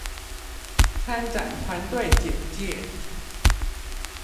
參展團隊簡介